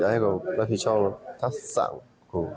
อยากให้ก่อนรับผิดชอบทัศน์สามคน